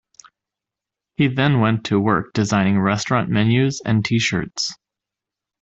He then went to work designing restaurant menus and t-shirts.